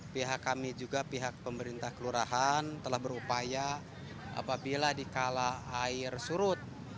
pihak kami juga pihak pemerintah kelurahan telah berupaya apabila dikala air surut